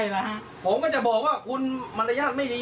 มันก็จะบอกว่าคุณมรยาณไม่ดี